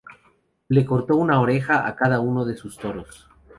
Le cortó una oreja a cada uno de sus toros.